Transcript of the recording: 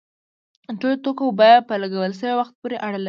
د ټولو توکو بیه په لګول شوي وخت پورې اړه لري.